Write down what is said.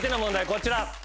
こちら。